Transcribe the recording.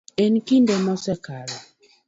En kinde mosekalo.